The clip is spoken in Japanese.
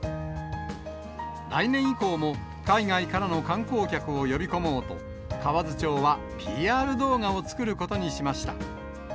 来年以降も、海外からの観光客を呼び込もうと、河津町はＰＲ動画を作ることにしました。